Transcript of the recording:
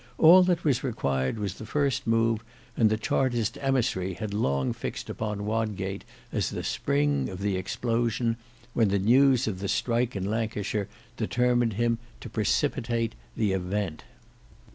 All that was required was the first move, and the Chartist emissary had long fixed upon Wodgate as the spring of the explosion, when the news of the strike in Lancashire determined him to precipitate the event.